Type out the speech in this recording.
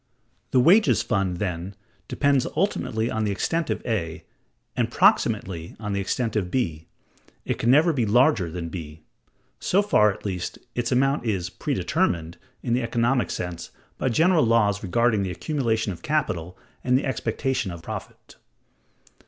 The wages fund, then, depends ultimately on the extent of A, and proximately on the extent of B. It can never be larger than B. So far, at least, its amount is "predetermined" in the economic sense by general laws regarding the accumulation of capital and the expectation of profit.